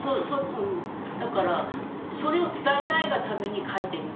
だからそれを伝えたいがために描いてるっていうかな。